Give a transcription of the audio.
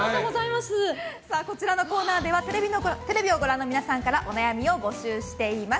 このコーナーではテレビをご覧の皆さんからお悩みを募集しています。